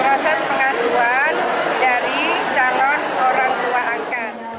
proses pengasuhan dari calon orang tua angkat